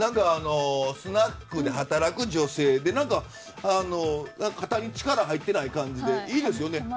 スナックで働く女性で肩に力が入ってない感じでいいですよね。